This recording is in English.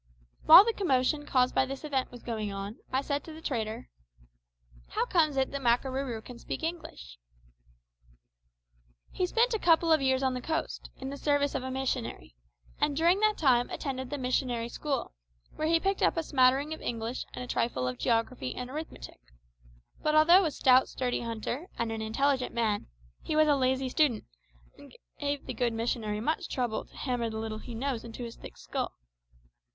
While the commotion caused by this event was going on, I said to the trader "How comes it that Makarooroo can speak English?" "He spent a couple of years on the coast, in the service of a missionary, and during that time attended the missionary school, where he picked up a smattering of English and a trifle of geography and arithmetic; but although a stout, sturdy hunter, and an intelligent man, he was a lazy student, and gave the good missionary much trouble to hammer the little he knows into his thick skull.